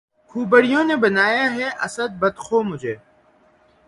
خوبرویوں نے بنایا ہے اسد بد خو مجھے